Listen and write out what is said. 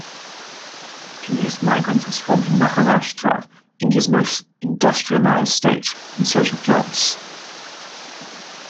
He accused migrants of swamping Maharashtra, India's most industrialised state, in search of jobs.